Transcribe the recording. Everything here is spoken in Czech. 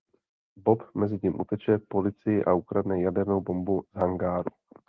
Bob mezitím uteče policii a ukradne jadernou bombu z hangáru.